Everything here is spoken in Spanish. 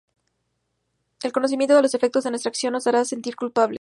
El conocimiento de los efectos de nuestra acción nos hará sentir culpables.